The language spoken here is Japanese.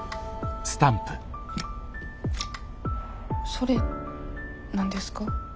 それ何ですか？